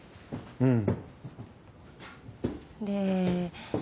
うん。